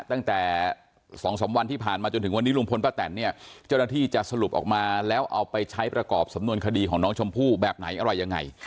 ตั้งแต่๒๓วันที่ผ่านมาจนถึงวันนี้ลุงพลป้าแตนเนี่ยเจ้าหน้าที่จะสรุปออกมาแล้วเอาไปใช้ประกอบสำนวนคดีของน้องชมพู่แบบไหนอะไรยังไง